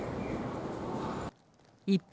一方、